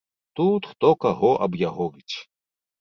Тут хто каго аб'ягорыць.